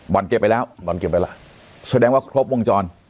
บ่อนเก็บไปแล้วบ่อนเก็บไปแล้วแสดงว่าครบวงจร